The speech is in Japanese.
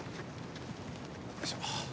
よいしょ！